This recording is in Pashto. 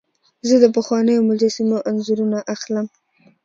زه د پخوانیو مجسمو انځورونه اخلم.